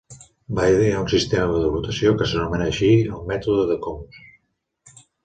Va idear un sistema de votació, que s'anomenava així el mètode de Coombs.